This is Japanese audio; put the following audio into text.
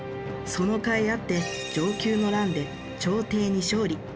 そのかいあって承久の乱で朝廷に勝利。